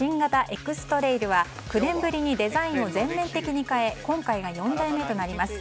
エクストレイルは９年ぶりにデザインを全面的に変え今回が４台目となります。